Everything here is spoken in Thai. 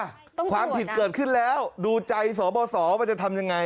ต้องตรวจนะความผิดเกิดขึ้นแล้วดูใจสอบสมันจะทำยังไง